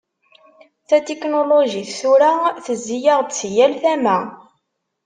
Tatiknulujit tura tezzi-aɣ-d si yal tama.